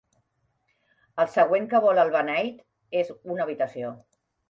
El següent que vol el beneit és una habitació.